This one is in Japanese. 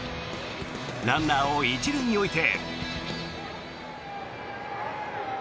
ランナーを１塁に置いて。